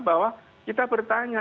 bahwa kita bertanya